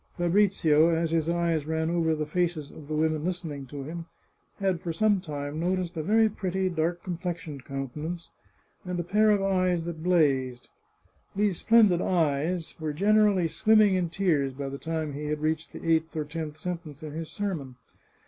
Fabrizio, as his eyes ran over the faces of the women listening to him, had for some time noticed a very pretty dark complexioned countenance, and a pair of eyes that blazed. These splendid eyes were generally swimming in tears by the time he had reached the eighth or tenth sen tence in his sermon.